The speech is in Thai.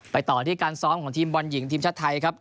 ต่อที่การซ้อมของทีมบอลหญิงทีมชาติไทยครับ